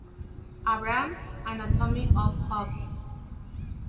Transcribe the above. Abrams, "Anatomy of Hope".